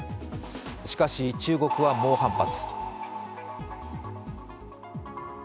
しかし中国は猛反発。